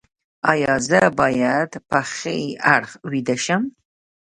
ایا زه باید په ښي اړخ ویده شم؟